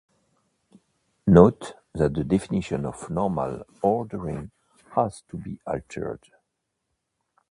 Note that the definition of normal ordering has to be altered.